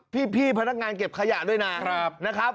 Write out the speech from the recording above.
พี่พนักงานเก็บขยะด้วยนะครับ